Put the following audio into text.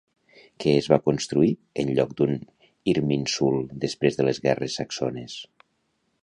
Què es va construir en lloc d'un Irminsul després de les guerres saxones?